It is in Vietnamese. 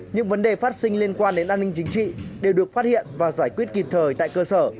những vấn đề phát sinh liên quan đến an ninh chính trị đều được phát hiện và giải quyết kịp thời tại cơ sở